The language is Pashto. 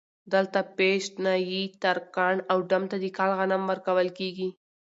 دلته پش ، نايي ، ترکاڼ او ډم ته د کال غنم ورکول کېږي